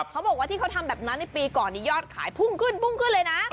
เขาบอกว่าที่เขาทำแบบนั้นในปีก่อนนี้ยอดขายพุ่งขึ้นพุ่งขึ้นเลยนะ